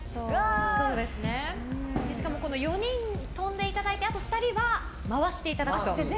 しかも４人跳んでいただいてあと２人は回していただくと。